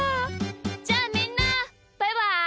じゃあみんなバイバイ！